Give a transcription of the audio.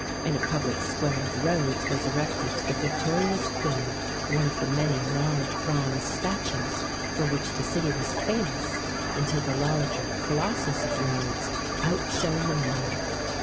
In a public square of Rhodes was erected to the victorious Queen one of the many large bronze statues for which the city was famous until the larger Colossus of Rhodes outshone them all.